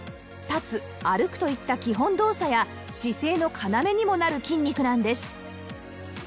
立つ歩くといった基本動作や姿勢の要にもなる筋肉なんです